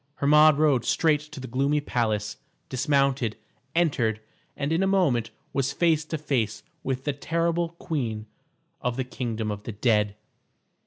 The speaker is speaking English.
Hermod rode straight to the gloomy palace, dismounted, entered, and in a moment was face to face with the terrible queen of the kingdom of the dead.